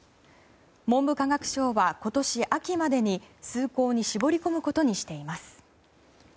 文部科学省は今年秋までに数校に絞り込むことにしています。